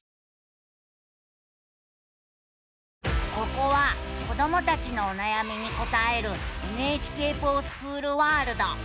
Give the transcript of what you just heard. ここは子どもたちのおなやみに答える「ＮＨＫｆｏｒＳｃｈｏｏｌワールド」。